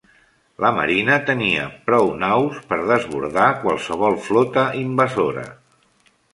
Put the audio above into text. La marina tenia prou naus per desbordar qualsevol flota invasora.